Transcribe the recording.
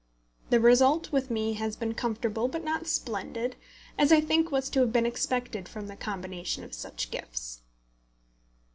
The result with me has been comfortable but not splendid, as I think was to have been expected from the combination of such gifts.